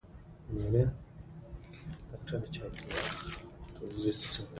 کجوخان د پښتنو یو نومیالی مشر ؤ.